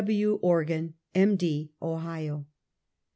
W. Organ, M. D., Ohio.